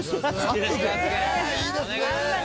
いいですねえ